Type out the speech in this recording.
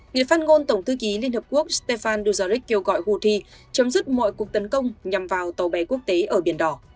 người phát ngôn tổng thư ký liên hợp quốc stefan duzaric kêu gọi houthi chấm dứt mọi cuộc tấn công nhằm vào tàu bè quốc tế ở biển đỏ